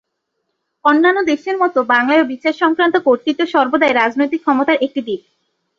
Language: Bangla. অন্যান্য দেশের মতো বাংলায়ও বিচার সংক্রান্ত কর্তৃত্ব সর্বদাই রাজনৈতিক ক্ষমতার একটি দিক।